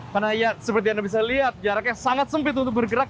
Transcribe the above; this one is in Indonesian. karena ya seperti anda bisa lihat jaraknya sangat sempit untuk bergerak